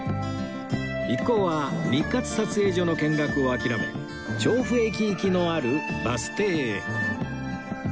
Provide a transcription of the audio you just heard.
一行は日活撮影所の見学を諦め調布駅行きのあるバス停へ